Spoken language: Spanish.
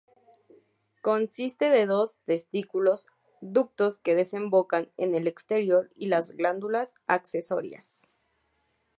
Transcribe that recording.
Consiste de dos testículos, ductos que desembocan al exterior y glándulas accesorias.